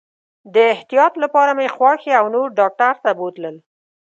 د احتیاط لپاره مې خواښي او نور ډاکټر ته بوتلل.